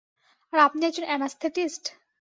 আর আপনি একজন অ্যানাস্থেটিস্ট?